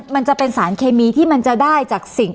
มันจะเป็นสารเคมีที่มันจะได้จากสิ่ง